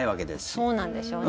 そうなんでしょうね。